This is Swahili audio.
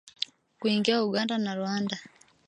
kuingia Uganda na Rwanda